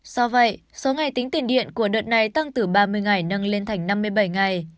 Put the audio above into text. do vậy số ngày tính tiền điện của đợt này tăng từ ba mươi ngày nâng lên thành năm mươi bảy ngày